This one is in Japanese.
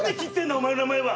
お前の名前は！